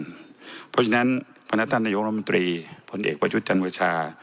เพราะฉะนั้นพนัทนายองรมนตรีพลเอกประยุจรรย์วชา